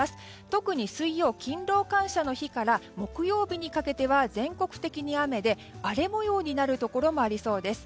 特に水曜、勤労感謝の日から木曜日にかけては全国的に雨で荒れ模様になるところもありそうです。